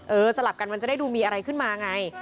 สลับกันมันจะได้ดูมีอะไรขึ้นมาไง